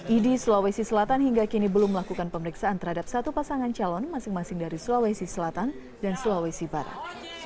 idi sulawesi selatan hingga kini belum melakukan pemeriksaan terhadap satu pasangan calon masing masing dari sulawesi selatan dan sulawesi barat